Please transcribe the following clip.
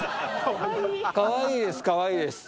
かわいいですかわいいです。